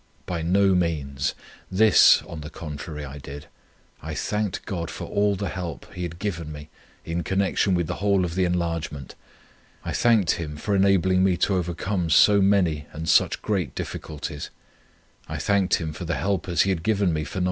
By no means. This, on the contrary, I did; I thanked God for all the help, He had given me in connection with the whole of the enlargement; I thanked Him for enabling me to overcome so many and such great difficulties; I thanked Him for the helpers He had given me for No.